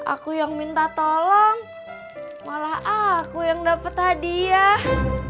aku yang minta tolong malah aku yang dapat hadiah